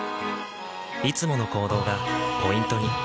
いつもの行動がポイントに。